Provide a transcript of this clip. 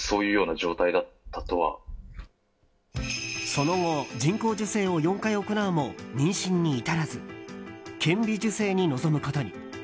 その後、人工授精を４回行うも妊娠に至らず顕微授精に臨むことに。